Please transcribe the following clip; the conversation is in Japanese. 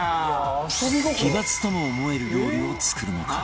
奇抜とも思える料理を作るのか？